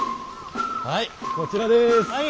はいこちらです。